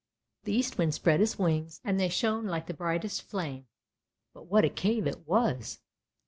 The Eastwind spread his wings, and they shone like the brightest flame; but what a cave it was!